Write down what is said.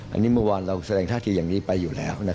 อันนี้เมื่อวานเราแสดงท่าทีอย่างนี้ไปอยู่แล้ว